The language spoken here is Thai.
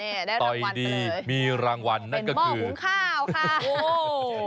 ได้รางวัลเลยมีรางวัลนั่นก็คือเป็นหม้อหมุ่งข้าวค่ะโอ้โห